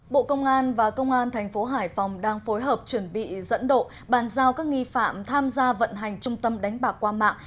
bộ công an và công an thành phố hải phòng đang phối hợp chuẩn bị dẫn độ bàn giao các nghi phạm tham gia vận hành trung tâm đánh bạc qua mạng